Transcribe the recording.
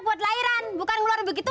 buat lahiran bukan begitu